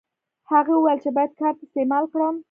هغه وویل چې باید کارت استعمال کړم.